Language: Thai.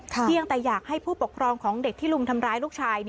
เพียงแต่อยากให้ผู้ปกครองของเด็กที่ลุมทำร้ายลูกชาย